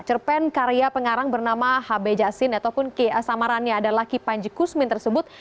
cerpen karya pengarang bernama hb jasin ataupun k a samarannya adalah kipanji kusmin tersebut